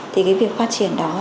thì cái việc phát triển đó